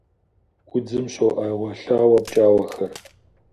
Удзым щоӀэуэлъауэ пкӀауэхэр.